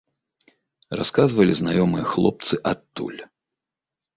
Расказвалі знаёмыя хлопцы адтуль.